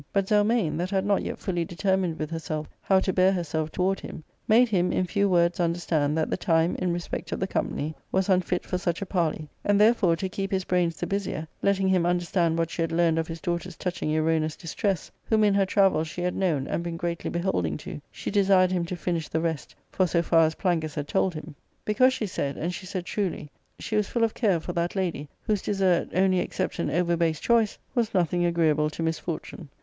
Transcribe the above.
But Zelmane, that had not yet fully determined with herself how to bear herself to ward him, made him in few words understand that the time, in respect of the company, was unfit for such a parley ; and, therefore, to keep his brains the busier, letting him under stand what she had learned of his daughters touching Erona's distress, whom in her travel she had known and been greatly beholding to, she desired him to finish the rest, for so far as Plangus had told him. Because, she said — and she said truly — she was full of care for that lady, whose desert, only except an over base choice, was nothing agree able to misfortune.